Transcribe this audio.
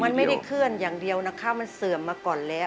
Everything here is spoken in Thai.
มันไม่ได้เคลื่อนอย่างเดียวนะคะมันเสื่อมมาก่อนแล้ว